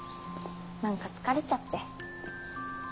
何か疲れちゃって。